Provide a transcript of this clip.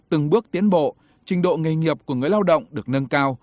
từng bước tiến bộ trình độ nghề nghiệp của người lao động được nâng cao